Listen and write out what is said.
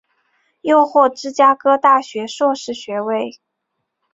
又获芝加哥大学硕士学位。